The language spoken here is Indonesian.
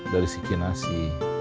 dari si kinasi